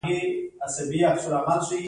سهار د نیکمرغۍ ټپه ده.